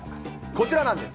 こちらなんです。